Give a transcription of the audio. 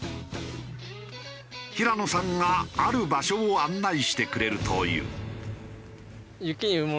平野さんがある場所を案内してくれるという。